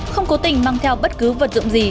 không cố tình mang theo bất cứ vật dụng gì